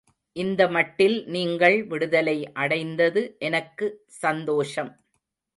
இந்த மட்டில் நீங்கள் விடுதலை அடைந்தது எனக்கு சந்தோஷம்.